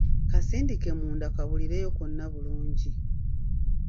Kasindike munda kabulireyo konna bulungi.